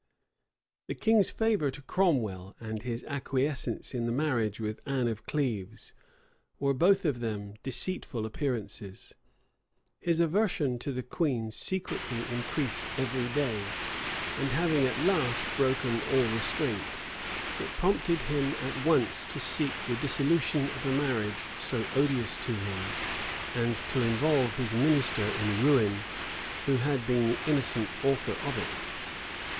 The king's favor to Cromwell and his acquiescence in the marriage with Anne of Cleves, were both of them deceitful appearances: his aversion to the queen secretly increased every day; and having at last broken all restraint, it prompted him at once to seek the dissolution of a marriage so odious to him, and to involve his minister in ruin, who had been the innocent author of it.